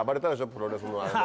プロレスのあれで。